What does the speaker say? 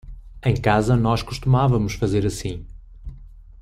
Em casa nós costumávamos fazer assim.